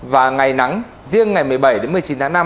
và ngày nắng riêng ngày một mươi bảy một mươi chín tháng năm